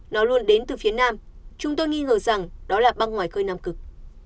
nó luôn đến từ phía nam chúng tôi nghi ngờ rằng đó là băng ngoài khơi nam cực